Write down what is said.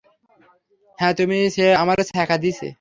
হ্যাঁ তুমি সে আমারে ছ্যাঁকা দিছে।